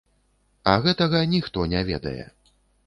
А гэтага ніхто не ведае.